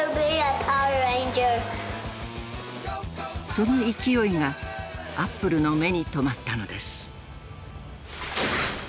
その勢いがアップルの目に留まったのです。